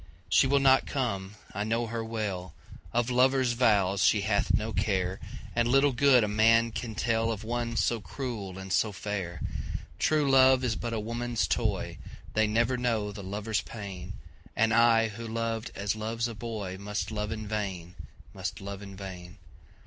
She will not come, I know her well, Of lover's vows she hath no care, And little good a man can tellOf one so cruel and so fair. True love is but a woman's toy, They never know the lover's pain, And I who loved as loves a boyMust love in vain, must love in vain.